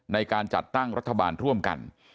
ในการจัดตั้งรัฐบาลร่วมกัน